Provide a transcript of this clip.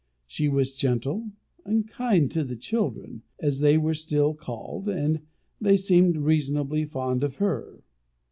She was gentle and kind to the children, as they were still called; and they seemed reasonably fond of her.